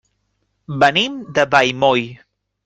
Venim de Vallmoll.